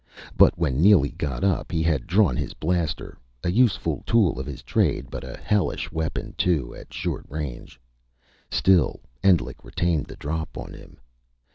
But when Neely got up, he had drawn his blaster, a useful tool of his trade, but a hellish weapon, too, at short range. Still, Endlich retained the drop on him.